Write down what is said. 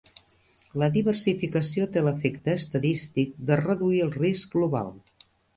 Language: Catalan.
La diversificació té l'efecte estadístic de reduir el risc global.